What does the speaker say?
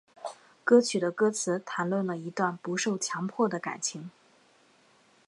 歌曲的歌词谈论了一段不受强迫的感情。